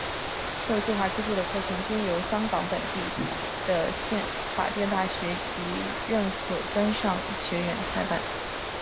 受计划资助的课程均由香港本地的法定大学及认可专上学院开办。